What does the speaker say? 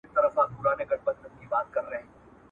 مخامخ یې کړله منډه په ځغستا سو !.